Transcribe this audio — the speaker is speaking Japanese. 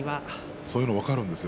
そういうのはあるんですよ。